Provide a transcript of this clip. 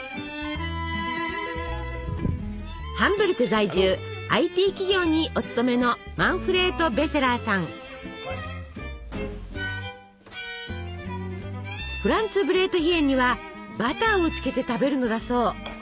ハンブルク在住ＩＴ企業にお勤めのフランツブレートヒェンにはバターをつけて食べるのだそう。